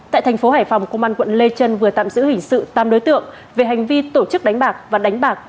tại thành phố hải phòng công an quận lê trân vừa tạm giữ hình sự tám đối tượng về hành vi tổ chức đánh bạc và đánh bạc